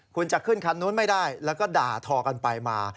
คุณจะขึ้นคันนู้นไม่ได้แล้วก็ด่าทอกันไปมา